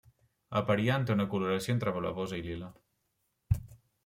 El periant té una coloració entre blavosa i lila.